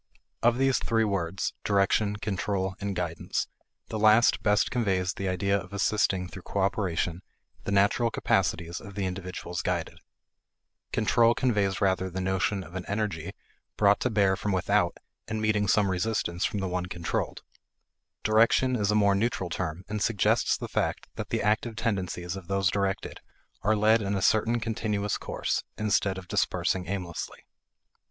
Of these three words, direction, control, and guidance, the last best conveys the idea of assisting through cooperation the natural capacities of the individuals guided; control conveys rather the notion of an energy brought to bear from without and meeting some resistance from the one controlled; direction is a more neutral term and suggests the fact that the active tendencies of those directed are led in a certain continuous course, instead of dispersing aimlessly.